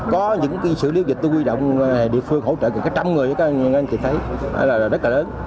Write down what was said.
có những cái xử lý dịch tôi huy động địa phương hỗ trợ cả trăm người các anh chị thấy là rất là lớn